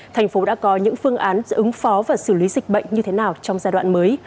thành phố đã có những phương án ứng phó và xử lý dịch bệnh như thế nào trong giai đoạn mới